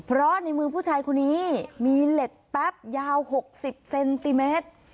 เพราะในมือผู้ชายคนนี้มีเหล็กแป๊บยาว๖๐เซนติเมตร